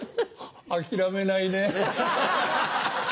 諦めないね。